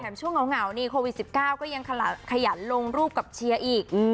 ช่วงเหงานี่โควิด๑๙ก็ยังขยันลงรูปกับเชียร์อีก